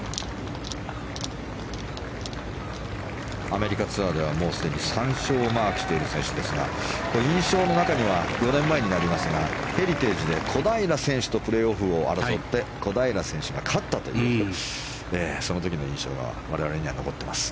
アメリカツアーではもうすでに３勝をマークしている選手ですが印象の中には４年前になりますがヘリテージで小平選手とプレーオフを争って小平選手が勝ったというその時の印象が我々には残っています。